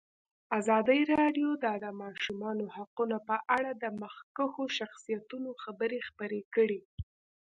ازادي راډیو د د ماشومانو حقونه په اړه د مخکښو شخصیتونو خبرې خپرې کړي.